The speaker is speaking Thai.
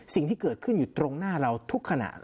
สิ่งที่เกิดขึ้นอยู่ตรงหน้าเราทุกขณะ